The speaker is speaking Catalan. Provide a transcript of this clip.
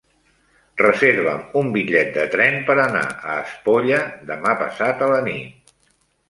Reserva'm un bitllet de tren per anar a Espolla demà passat a la nit.